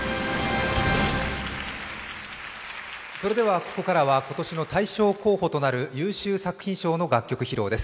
ここからは今年の大賞候補となる優秀作品賞の楽曲披露です。